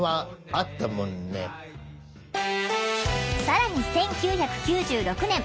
更に１９９６年